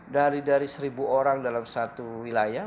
dari dari seribu orang dalam satu wilayah